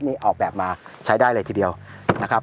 นี่ออกแบบมาใช้ได้เลยทีเดียวนะครับ